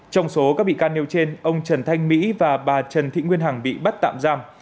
trong số các bị can nêu trên ông trần thanh mỹ và bà trần thị nguyên hằng bị bắt tạm giam